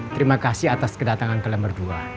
terima kasih atas kedatangan kalian berdua